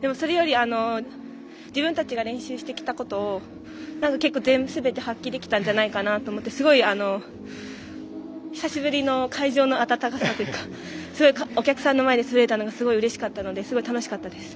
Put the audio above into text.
でも、それより自分たちが練習してきたことを結構すべて発揮できたんじゃないかなと思ってすごい、久しぶりの会場の温かさというかすごいお客さんの前で滑れたのがうれしかったので楽しかったです。